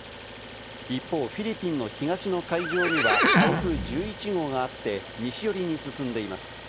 一方、フィリピンの東の海上には台風１１号があって、西寄りに進んでいます。